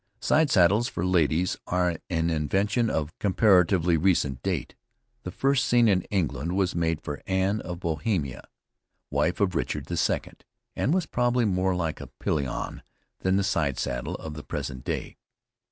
Side saddles for ladies are an invention of comparatively recent date. The first seen in England was made for Anne of Bohemia, wife of Richard the Second, and was probably more like a pillion than the side saddle of the present day.